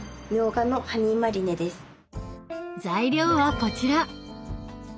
材料はこちら。